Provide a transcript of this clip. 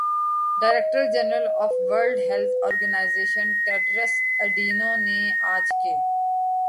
director general of World Health Organization Tedros اڈینو نے آج کہ